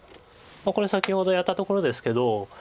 これ先ほどやったところですけど。